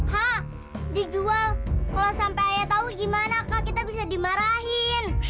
hah dijual kalau sampai ayah tau gimana kak kita bisa dimarahin